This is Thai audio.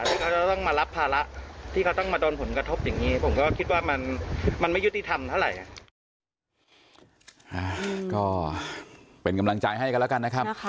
ที่เขาต้องมารับภาระที่เขาต้องมาโดนผลกระทบอย่างนี้ผมก็คิดว่ามันไม่ยุติธรรมเท่าไหร่